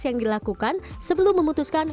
yang dilakukan sebelum memutuskan